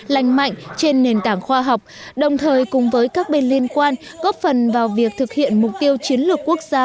lành mạnh trên nền tảng khoa học đồng thời cùng với các bên liên quan góp phần vào việc thực hiện mục tiêu chiến lược quốc gia